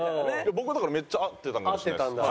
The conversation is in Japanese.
僕はだからめっちゃ合ってたのかもしれないです。